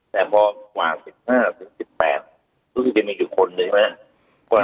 แต่พอหวาน๑๕๑๘ต้องมีกี่คนเลยนะครับ